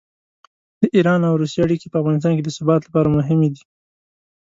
د ایران او روسیې اړیکې په افغانستان کې د ثبات لپاره مهمې دي.